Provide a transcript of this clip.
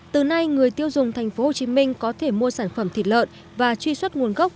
từ nay người tiêu dùng tp hcm có thể mua sản phẩm thịt lợn và truy xuất nguồn gốc